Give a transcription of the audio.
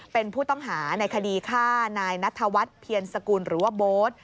เป็นผู้ต้องหาในคดีฆ่านายนัทวัฒน์เพียรสกุลหรือว่าโบ๊ท